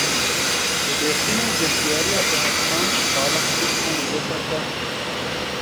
Li Dêrsimê geştyariya bi hespan bala xelkê kişandiye ser xwe.